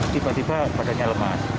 tiba tiba padanya lemas